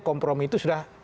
kompromi itu sudah